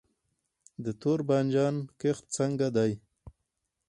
د تور بانجان کښت څنګه دی؟